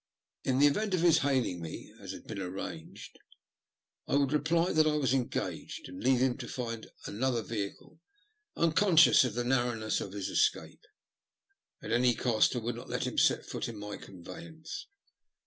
In the event of bis hailing me as had been arranged, I 89 90 THE LUST OF HATE. would reply that I was engaged, and leave him to find another vehicle, nnconsciouB of the narrowness of his escape. At any cost I would not let him set foot in my conyeyance.